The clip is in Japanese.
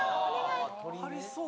ありそう。